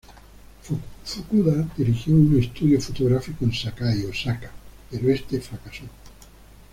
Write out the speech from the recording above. Fukuda dirigió un estudio fotográfico en Sakai, Osaka, pero este fracasó.